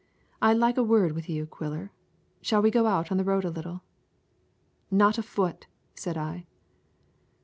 "I'd like a word with you, Quiller. Shall we go out on the road a little?" "Not a foot," said I.